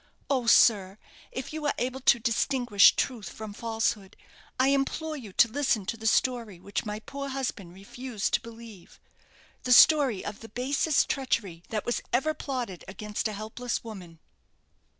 Oh, sir, if you are able to distinguish truth from falsehood, I implore you to listen to the story which my poor husband refused to believe the story of the basest treachery that was ever plotted against a helpless woman!"